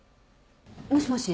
もしもし。